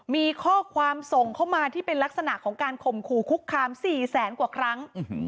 มีข้อความส่งเข้ามาที่เป็นลักษณะของการข่มขู่คุกคาม๔แสนกว่าครั้ง